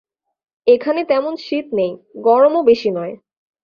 এখানে তেমন শীত নেই, গরমও বেশী নয়।